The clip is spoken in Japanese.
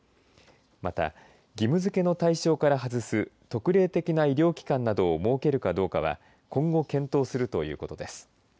また義務づけの対象から外す特例的な医療機関などを設けるかどうかは今後、検討するということです。